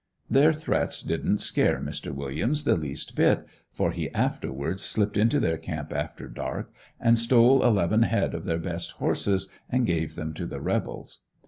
Their threats didn't scare Mr. Williams the least bit, for he afterwards slipped into their camp after dark and stole eleven head of their best horses and gave them to the rebels.